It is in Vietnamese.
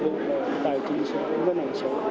cái tốc độ ổn định